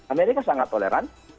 amerika sangat toleran